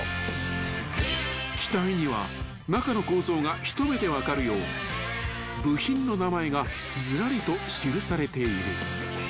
［機体には中の構造が一目で分かるよう部品の名前がずらりと記されている］